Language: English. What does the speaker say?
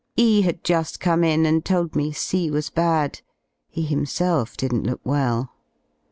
E had juA come in and told me C was bad; he himself didn't look well.